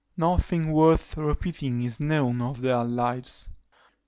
Nothing worth repeating is known of their lives.